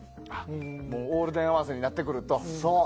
オールデン合わせになってくると。